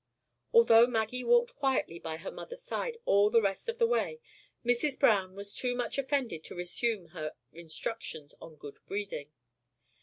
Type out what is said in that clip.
Although Maggie walked quietly by her mother's side all the rest of the way, Mrs. Browne was too much offended to resume her instructions on good breeding.